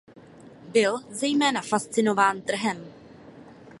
Byl zejména fascinován trhem.